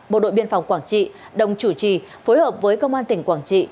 bộ đội biên phòng quảng trị đồng chủ trì phối hợp với công an tỉnh quảng trị